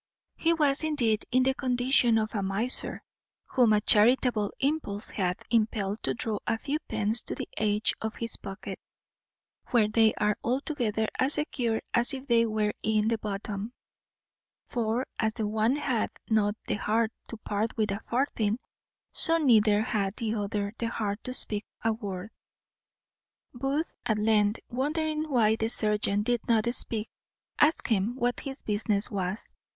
He was, indeed, in the condition of a miser, whom a charitable impulse hath impelled to draw a few pence to the edge of his pocket, where they are altogether as secure as if they were in the bottom; for, as the one hath not the heart to part with a farthing, so neither had the other the heart to speak a word. Booth at length, wondering that the serjeant did not speak, asked him, What his business was?